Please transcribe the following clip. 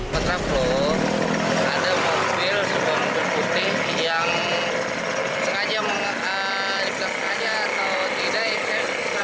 ketraplot ada mobil sebuah mobil putih yang sekajang dipetak petak saja atau tidak